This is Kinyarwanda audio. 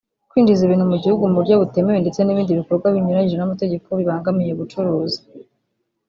kwinjiza ibintu mu gihugu mu buryo butemewe ndetse n’ibindi bikorwa binyuranyije n’amategeko bibangamiye ubucuruzi